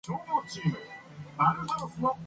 I am a publican, and live in Upper East Smithfield.